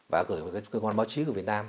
và gửi cho cơ quan báo chí của việt nam